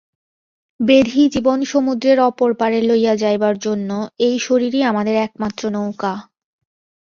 ব্যাধি জীবন-সমুদ্রের অপর পারে লইয়া যাইবার জন্য এই শরীরই আমাদের একমাত্র নৌকা।